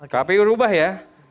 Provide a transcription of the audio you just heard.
kpu rubah ya